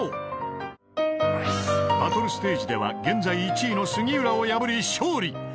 ［バトルステージでは現在１位の杉浦を破り勝利］